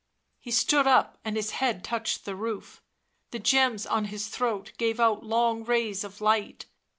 He stood up, and his head touched the roof; the gems on his throat gave out long rays of light